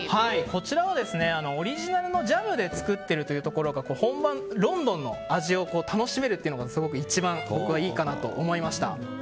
こちらはオリジナルのジャムで作ってるという本場ロンドンの味を楽しめるっていうのが一番、僕はいいかなと思いました。